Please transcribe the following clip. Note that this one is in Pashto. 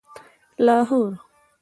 لاهور